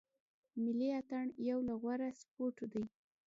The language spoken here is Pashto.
ملي اټن یو له غوره سپورټو دی.